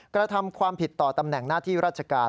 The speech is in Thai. กระทำความผิดต่อตำแหน่งหน้าที่ราชการ